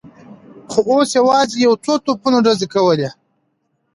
خو اوس یوازې یو څو توپونو ډزې کولې.